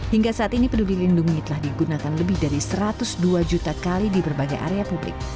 hingga saat ini peduli lindungi telah digunakan lebih dari satu ratus dua juta kali di berbagai area publik